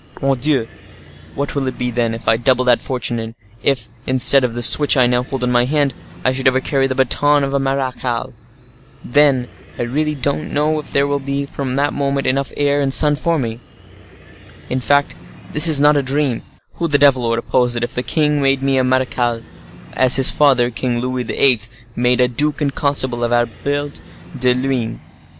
Mordioux! what will it be then, if I double that fortune; and if, instead of the switch I now hold in my hand, I should ever carry the baton of a marechal? Then I really don't know if there will be, from that moment, enough of air and sun for me. In fact, this is not a dream, who the devil would oppose it, if the king made me a marechal, as his father, King Louis XIII., made a duke and constable of Albert de Luynes?